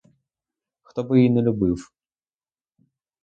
Хто б її не любив?